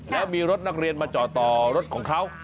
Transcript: แล้วมีรถนักเรียนมาจอดต่อรถของเขา